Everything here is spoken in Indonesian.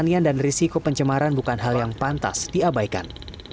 kenian dan risiko pencemaran bukan hal yang pantas diabaikan